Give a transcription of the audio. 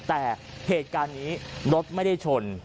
แต่เหตุการณ์นี้รถไม่ได้ชน